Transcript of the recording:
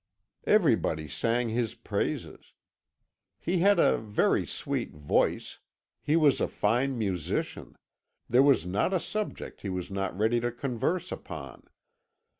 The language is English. Everybody sang his praises. He had a very sweet voice, he was a fine musician, there was not a subject he was not ready to converse upon.